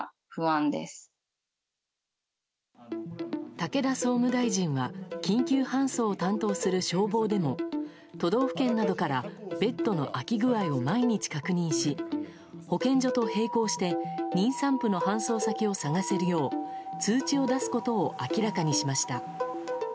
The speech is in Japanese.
武田総務大臣は緊急搬送を担当する消防でも、都道府県などからベッドの空き具合を毎日確認し保健所と並行して妊産婦の搬送先を探せるよう通知を出すことを明らかにしました。